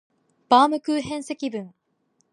バームクーヘン積分